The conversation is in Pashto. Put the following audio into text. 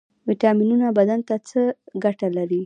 ویټامینونه بدن ته څه ګټه لري؟